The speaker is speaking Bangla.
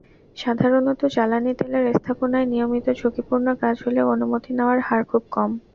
সাধারণত জ্বালানি তেলের স্থাপনায় নিয়মিত ঝুঁকিপূর্ণ কাজ হলেও অনুমতি নেওয়ার হার খুব কম।